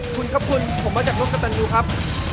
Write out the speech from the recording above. คุณครับคุณผมมาจากช่างกำคัตตันอยู่ครับ